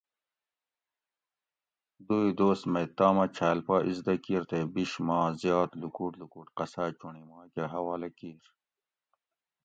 دوئ دوس مئ تامہ چھال پا ازدہ کیر تے بیش ما زیات لوکوٹ لوکوٹ قصاۤ چونڑی ما کہۤ حوالہ کیر